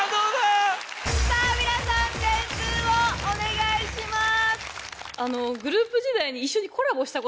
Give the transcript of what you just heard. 皆さん点数をお願いします。